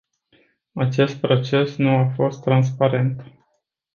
Acest proces nu a fost transparent.